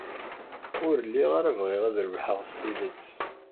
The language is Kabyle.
Ur lliɣ ara bɣiɣ ad rebḥeɣ s tidet.